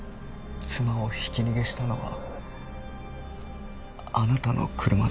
妻をひき逃げしたのはあなたの車だ。